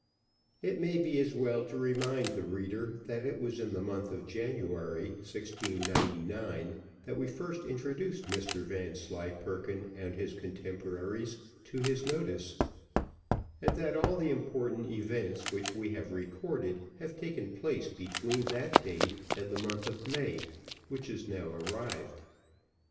It may be as well to remind the reader, that it was in the month of January, sixteen hundred and ninety nine, that we first introduced Mr Vanslyperken and his contemporaries to his notice, and that all the important events, which we have recorded, have taken place between that date and the month of May, which is now arrived.